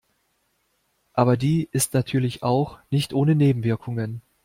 Aber die ist natürlich auch nicht ohne Nebenwirkungen.